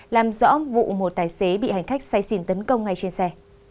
làm rõ vụ một tài xế bị hành khách say xỉn tấn công ngay trên xe